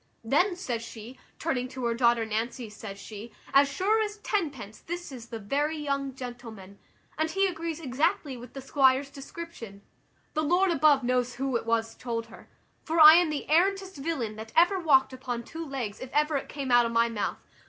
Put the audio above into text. `Then,' says she, turning to her daughter Nancy, says she, `as sure as tenpence this is the very young gentleman, and he agrees exactly with the squire's description.' The Lord above knows who it was told her: for I am the arrantest villain that ever walked upon two legs if ever it came out of my mouth.